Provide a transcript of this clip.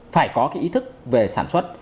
phải có ý thức về sản xuất